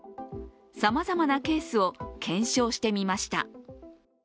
さまざまなケースを検証してみました。